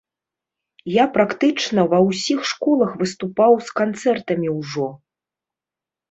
Я практычна ва ўсіх школах выступаў з канцэртамі ўжо.